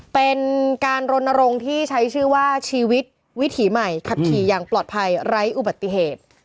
เป็นการรณรงค์ที่ใช้ชื่อว่าชีวิตวิถีใหม่ขับขี่อย่างปลอดภัยไร้อุบัติเหตุ